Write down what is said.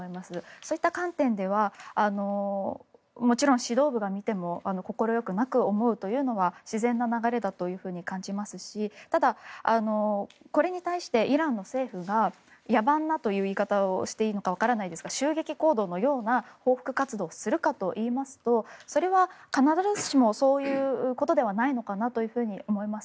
そういった観点ではもちろん指導部が見ても快くなく思うというのは自然な流れだと感じますしただ、これに対してイランの政府が野蛮なという言い方をしていいかわからないですが襲撃予告のような報復活動をするかといいますとそれは必ずしもそういうことではないのかなと思います。